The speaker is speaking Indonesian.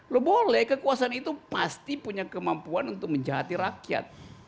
lo boleh kekuasaan itu pasti punya kemampuan untuk menjahati rakyat